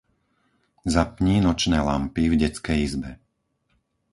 Zapni nočné lampy v detskej izbe.